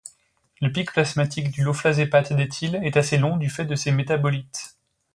Le pic plasmatique du loflazépate d'éthyle est assez long du fait de ses métabolites.